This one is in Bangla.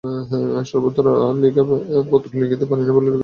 সর্বদা পত্র লিখিতে পারি নাই বলিয়া দুঃখিত হইও না।